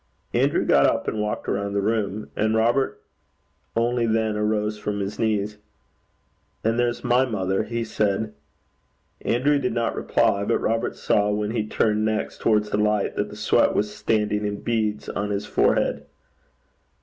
Andrew got up and walked about the room. And Robert only then arose from his knees. 'And there's my mother,' he said. Andrew did not reply; but Robert saw when he turned next towards the light, that the sweat was standing in beads on his forehead.